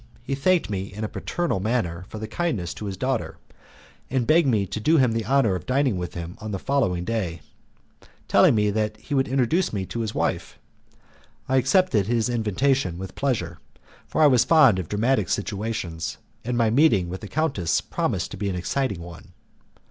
He thanked me in a paternal manner for my kindness to his daughter, and begged me to do him the honour of dining with him on the following day, telling me that he would introduce me to his wife. I accepted his invitation with pleasure, for I was fond of dramatic situations, and my meeting with the countess promised to be an exciting one.